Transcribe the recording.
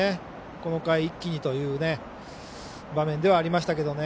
この回、一気にという場面ではありましたけどね。